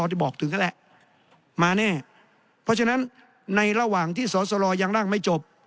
ที่บอกถึงนั่นแหละมาแน่เพราะฉะนั้นในระหว่างที่สอสรยังร่างไม่จบ